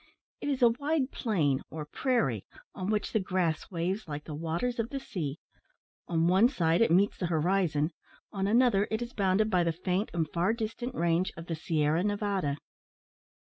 It is a wide plain, or prairie, on which the grass waves like the waters of the sea. On one side it meets the horizon, on another it is bounded by the faint and far distant range of the Sierra Nevada.